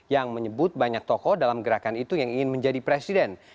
yang menyebut banyak tokoh dalam gerakan itu yang ingin menjadi presiden